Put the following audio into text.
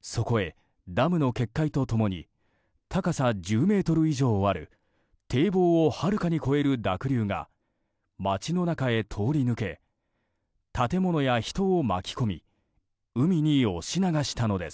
そこへ、ダムの決壊と共に高さ１０ｍ以上ある堤防をはるかに超える濁流が町の中へ通り抜け建物や人を巻き込み海に押し流したのです。